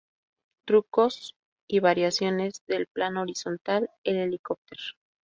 Trucos y variaciones del plano horizontal, el helicopter.